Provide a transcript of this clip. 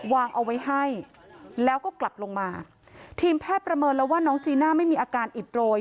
วางเอาไว้ให้แล้วก็กลับลงมาทีมแพทย์ประเมินแล้วว่าน้องจีน่าไม่มีอาการอิดโรย